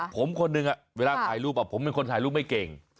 ผมคนหนึ่งเวลาถ่ายรูปผมเป็นคนถ่ายรูปไม่เก่ง